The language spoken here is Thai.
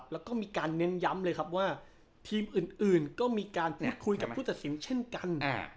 แล้วก็มีการเน้นย้ำเลยครับว่าทีมอื่นก็มีการคุยกับผู้ตัดสินเช่นกัน